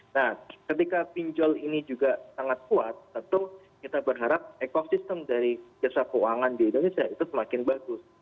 nah ketika pinjol ini juga sangat kuat tentu kita berharap ekosistem dari jasa keuangan di indonesia itu semakin bagus